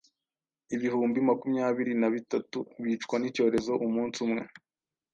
ibihumbi makumyabiri na bitatu” bicwa n’icyorezo umunsi umwe.